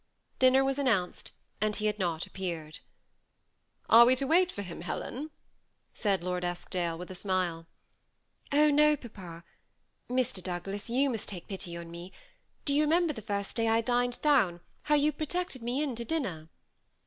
Dinner was announced, and he had not appeared. THE SEMI ATTACHED COUPLE. 31 " Are we to wait for him, Helen ?'* said Lord Esk dale, with a smile. ^^ Oh no, papa. Mr. Douglas, you must take pity on me. Do you remember the first day I dined down, how you protected me in to dinner